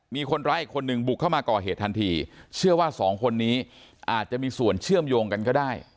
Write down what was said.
มีคนร้ายอีกคนนึงบุกเข้ามาก่อเหตุทันทีเชื่อว่าสองคนนี้อาจจะมีส่วนเชื่อมโยงกันก็ได้